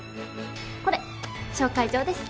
これ紹介状です。